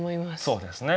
そうですね。